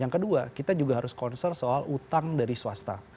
yang kedua kita juga harus concern soal utang dari swasta